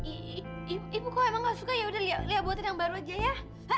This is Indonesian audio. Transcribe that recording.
i i ibu kok emang ga suka yaudah liat liat buatan yang baru aja ya